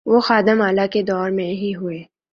وہ خادم اعلی کے دور میں ہی ہوئے۔